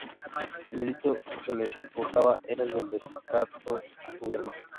El delito que se les imputaba era el de desacato al Gobierno.